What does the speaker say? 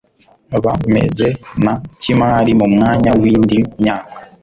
bmeze na kimari mu mwanya w'indi myaka